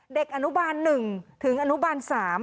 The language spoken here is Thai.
เด็กอนุบาล๑ถึงอนุบาล๓